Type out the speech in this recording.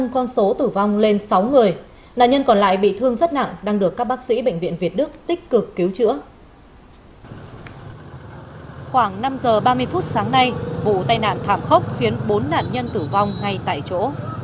khoảng năm giờ ba mươi phút sáng nay vụ tai nạn thảm khốc khiến bốn nạn nhân tử vong ngay tại chỗ